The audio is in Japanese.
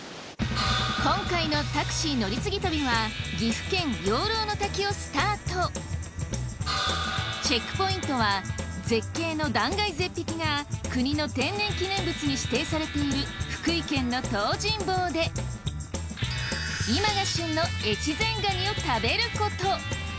今回の「タクシー乗り継ぎ旅」はチェックポイントは絶景の断崖絶壁が国の天然記念物に指定されている福井県の東尋坊で今が旬の越前がにを食べること。